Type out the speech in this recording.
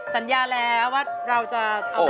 สัญญาว่าเราจะเอามานาน